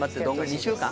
２週間？